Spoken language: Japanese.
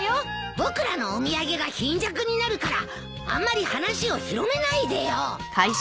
僕らのお土産が貧弱になるからあんまり話を広めないでよ。